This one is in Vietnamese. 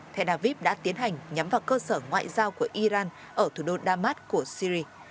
theo david đã tiến hành nhắm vào cơ sở ngoại giao của iran ở thủ đô damas của syria